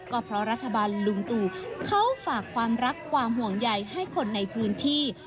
ก็เพราะรัฐบาลลุงตู่เขาฝากความรักความห่วงใยให้คนในพื้นที่